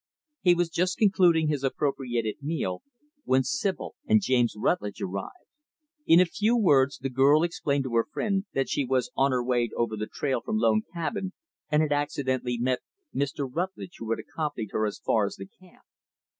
He was just concluding his appropriated meal, when Sibyl and James Rutlidge arrived. In a few words, the girl explained to her friend, that she was on her way over the trail from Lone Cabin, and had accidentally met Mr. Rutlidge who had accompanied her as far as the camp.